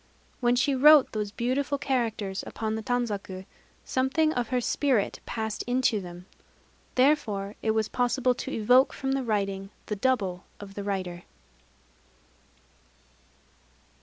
When she wrote those beautiful characters upon the tanzaku, something of her spirit passed into them. Therefore it was possible to evoke from the writing the double of the writer."